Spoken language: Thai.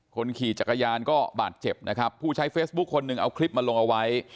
คนขี่จักรยานก็บาดเจ็บนะครับผู้ใช้เฟซบุ๊คคนหนึ่งเอาคลิปมาลงเอาไว้